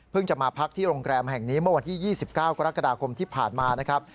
จะมาพักที่โรงแรมแห่งนี้เมื่อวันที่๒๙กรกฎาคมที่ผ่านมานะครับ